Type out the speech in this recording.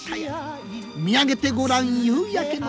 見上げてごらん夕焼けの空。